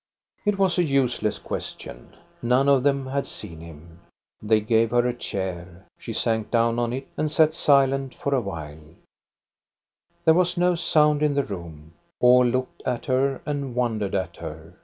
It was a useless question. None of them had seen him. They gave her a chair. She sank down on it, and 442 THE STORY OF GOSTA BERLING sat silent for a while. There was no sound in the room. All looked at her and wondered at her.